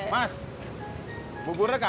mas buburnya kagak